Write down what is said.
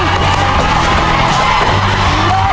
ลูกสุดท้าย